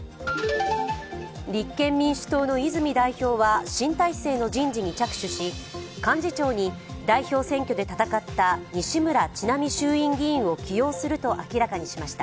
立憲民主党の泉代表は新体制の人事に着手し幹事長に代表選挙で戦った西村智奈美衆院議員を起用すると明らかにしました。